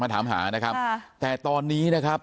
ถามหานะครับแต่ตอนนี้นะครับ